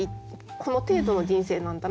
この程度の人生なんだな